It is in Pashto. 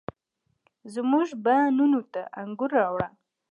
زموږ بڼوڼو ته انګور، راوړه،